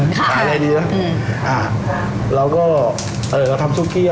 ใช่แล้วข่ายในดีเท่าเราทำซูรกี้อร่อย